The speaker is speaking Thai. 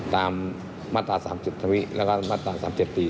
ตามมาตรา๓๗ทวีและมาตรา๓๗ตี